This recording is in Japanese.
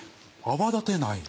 泡立てない？